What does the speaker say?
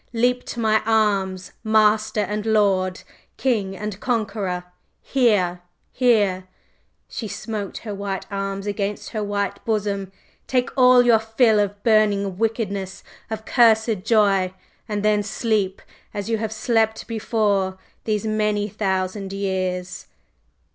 Leap to my arms, master and lord, king and conqueror! Here, here!" and she smote her white arms against her whiter bosom. "Take all your fill of burning wickedness of cursed joy! and then sleep! as you have slept before, these many thousand years!"